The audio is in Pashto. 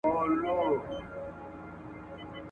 خولې د عالمونو څوک ګنډلای نه سي وايی دي `